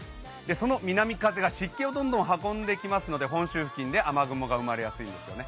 その南風が湿気をどんどん運んできますので雨雲が生まれやすいですよね。